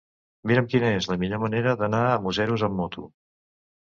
Mira'm quina és la millor manera d'anar a Museros amb moto.